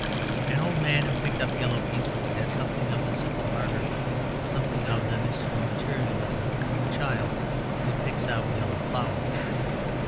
An old man who picked up yellow pieces had something of the simple ardour, something of the mystical materialism, of a child who picks out yellow flowers.